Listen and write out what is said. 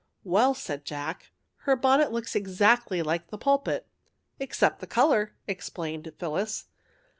" Well," said Jack, " her bonnet looks ex actly like the pulpit." " Except the colour," explained Phyllis.